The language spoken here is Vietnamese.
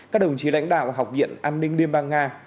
các đồng chí lãnh đạo học viện an ninh liên bang nga